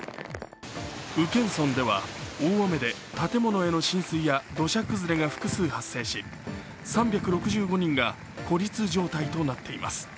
宇検村では、大雨で建物への浸水や土砂崩れが複数発生し、３６５人が孤立状態となっています。